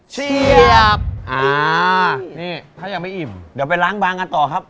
เสียบอ่านี่ถ้ายังไม่อิ่มเดี๋ยวไปล้างบางกันต่อครับ